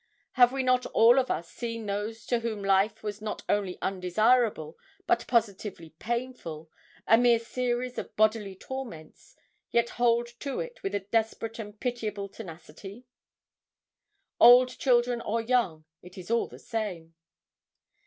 Have we not all of us seen those to whom life was not only undesirable, but positively painful a mere series of bodily torments, yet hold to it with a desperate and pitiable tenacity old children or young, it is all the same.